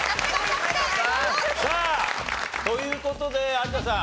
さあという事で有田さん